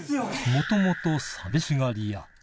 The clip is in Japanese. もともと寂しがり屋。